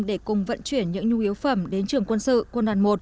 để cùng vận chuyển những nhu yếu phẩm đến trường quân sự quân đoàn một